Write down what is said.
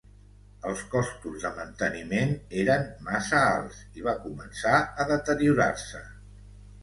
Els costos de manteniment eren massa alts i va començar a deteriorar-se.